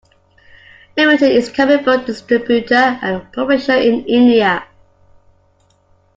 Limited is a comic book distributor and publisher in India.